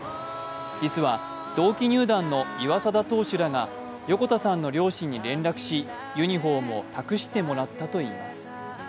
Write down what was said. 実は同期入団の岩貞投手らが横田さんの両親に連絡しユニフォームを託してもらったといいます。